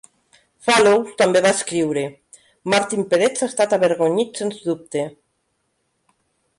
Fallows també va escriure: Martin Peretz ha estat avergonyit sens dubte.